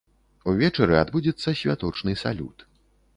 Увечары адбудзецца святочны салют.